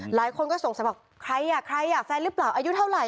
หลายคนก็สงสัยว่าใครอ่ะใครอ่ะแฟนรึเปล่าอายุเท่าไหร่